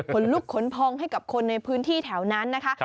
ขนลุกขนพองให้กับคนในพื้นที่แถวนั้นนะคะ